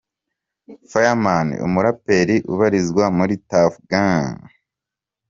Fireman umuraperi ubarizwa muri Tuff Gang.